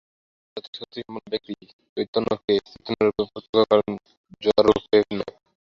প্রকৃত আধ্যাত্মিক-শক্তিসম্পন্ন ব্যক্তি চৈতন্যকে চৈতন্যরূপেই প্রত্যক্ষ করেন, জড়রূপে নয়।